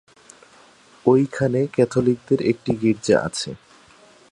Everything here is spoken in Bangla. ঐখানে ক্যাথলিকদের একটা গির্জা আছে।